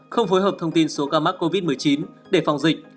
không phối hợp thông tin số ca mắc covid một mươi chín để phòng dịch